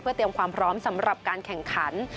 เตรียมความพร้อมสำหรับการแข่งขัน